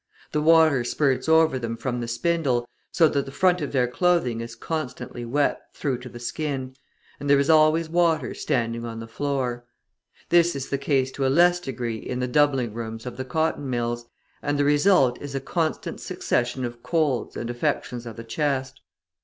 The water spirts over them from the spindle, so that the front of their clothing is constantly wet through to the skin; and there is always water standing on the floor. This is the case to a less degree in the doubling rooms of the cotton mills, and the result is a constant succession of colds and affections of the chest.